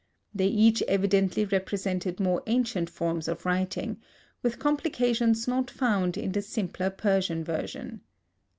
They each evidently represented more ancient forms of writing, with complications not found in the simpler Persian version.